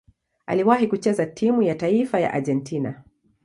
Aliwahi kucheza timu ya taifa ya Argentina.